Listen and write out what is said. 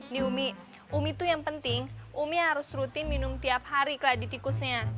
umi umi itu yang penting umi harus rutin minum tiap hari kelah di tikusnya